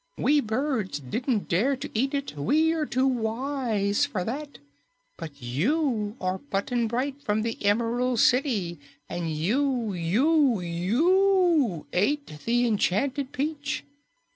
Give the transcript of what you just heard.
We birds didn't dare to eat it; we are too wise for that. But you are Button Bright from the Emerald City, and you, YOU, YOU ate the enchanted peach!